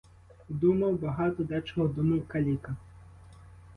Думав, багато дечого думав каліка.